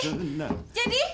eh jadi jadi